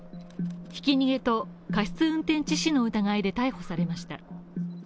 ひき逃げと過失運転致死の疑いで逮捕されました。